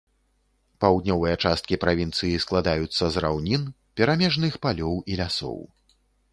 Паўднёвыя часткі правінцыі складаюцца з раўнін, перамежных палёў і лясоў.